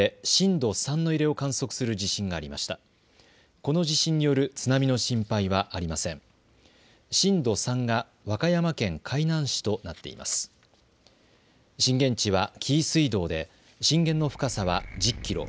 震源地は紀伊水道で震源の深さは１０キロ。